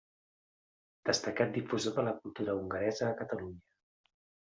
Destacat difusor de la cultura hongaresa a Catalunya.